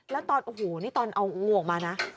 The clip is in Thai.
แล้วตอนโอ้โหนี่ตอนเอางูออกมานะ